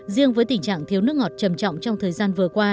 riêng với tình trạng thiếu nước ngọt trầm trọng trong thời gian vừa qua